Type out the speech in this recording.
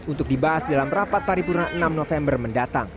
untuk dibahas dalam rapat paripurna enam november mendatang